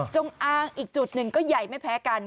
จงอางอีกจุดหนึ่งก็ใหญ่ไม่แพ้กัน